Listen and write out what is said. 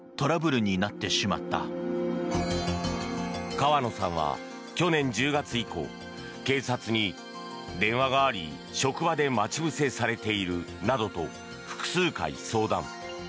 川野さんは去年１０月以降警察に電話があり職場で待ち伏せされているなどと複数回相談。